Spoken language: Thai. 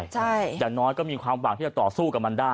อย่างน้อยก็มีความหวังที่จะต่อสู้กับมันได้